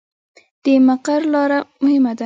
د مقر لاره مهمه ده